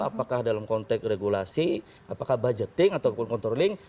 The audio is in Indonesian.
apakah dalam konteks regulasi apakah budgeting ataupun controlling